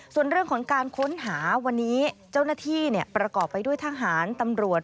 ส่วนเรื่องของการค้นหาวันนี้เจ้าหน้าที่ประกอบไปด้วยทหารตำรวจ